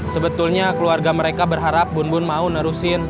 sebetulnya keluarga mereka berharap bun bun mau nerusin